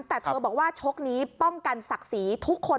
แต่เธอบอกว่าชกนี้ป้องกันศักดิ์ศรีทุกคน